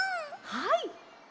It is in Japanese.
はい。